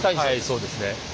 はいそうですね。